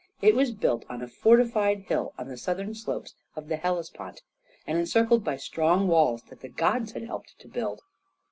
It was built on a fortified hill on the southern slopes of the Hellespont, and encircled by strong walls that the gods had helped to build.